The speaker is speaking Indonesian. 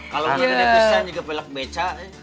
kalau gini bisa juga pelak beca